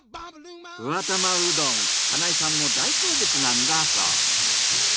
ふわたまうどん金井さんも大好物なんだそう。